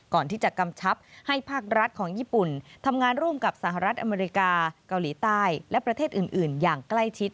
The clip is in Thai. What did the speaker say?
กำชับให้ภาครัฐของญี่ปุ่นทำงานร่วมกับสหรัฐอเมริกาเกาหลีใต้และประเทศอื่นอย่างใกล้ชิด